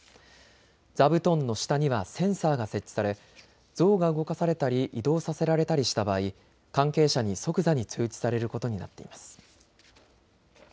座布団の下にはセンサーが設置され像が動かされたり移動させられたりした場合、関係者に即座に通知されることになっています。